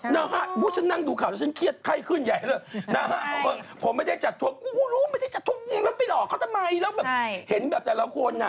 นะฮะนะฮะเพราะฉันนั่งดูข่าวแล้วฉันเครียดไข้ขึ้นใหญ่เลยนะฮะผมไม่ได้จัดทวนไม่ได้จัดทวนไปหลอกเขาทำไมแล้วเห็นแบบแต่ละคนอ่ะ